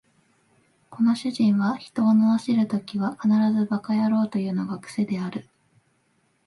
この主人は人を罵るときは必ず馬鹿野郎というのが癖である